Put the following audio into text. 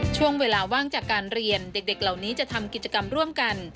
ช่วงเวลาว่างจากการเรียนเด็กเหล่านี้จะทำกิจกรรมร่วมกัน